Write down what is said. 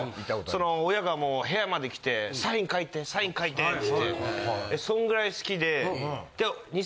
その親がもう部屋まで来てサイン書いてサイン書いてっつってそんぐらい好きで。